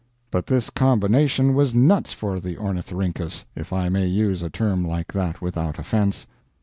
But this combination was nuts for the Ornithorhynchus, if I may use a term like that without offense.